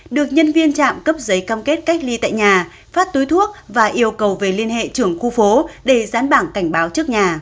được nhân viên trạm cấp giấy cam kết cách ly tại nhà phát túi thuốc và yêu cầu về liên hệ trưởng khu phố để dán bảng cảnh báo trước nhà